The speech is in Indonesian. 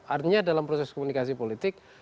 artinya dalam proses komunikasi politik